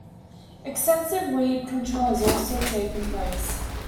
Extensive weed control has also taken place.